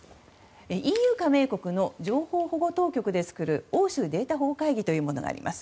ＥＵ加盟国の情報保護当局で作る欧州データ保護会議というものがあります。